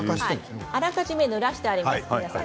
あらかじめ、ぬらしてあります。